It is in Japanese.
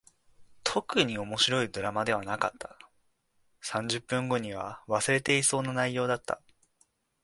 特に面白いドラマではなかった。三十分後には忘れていそうな内容だった。